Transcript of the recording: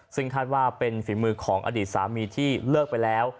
ซึ่งคาดว่าเป็นฝีมือของอดีตสามีที่เลิกไปแล้ว